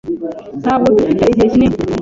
Ntabwo dufite igihe kinini.